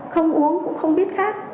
không uống cũng không biết khát